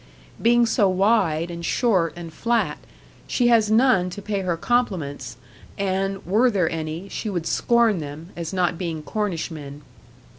Being so wide, and short, and flat, she has none to pay her compliments; and, were there any, she would scorn them, as not being Cornishmen.